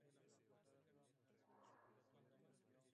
Su especie tipo es "Globigerina rugosa".